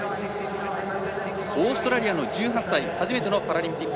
オーストラリアの１８歳初めてのパラリンピック